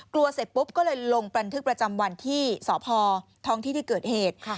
เสร็จปุ๊บก็เลยลงบันทึกประจำวันที่สพท้องที่ที่เกิดเหตุ